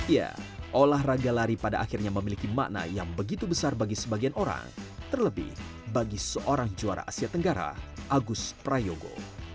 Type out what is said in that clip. ya olahraga lari pada akhirnya memiliki makna yang begitu besar bagi sebagian orang terlebih bagi seorang juara asia tenggara agus prayogo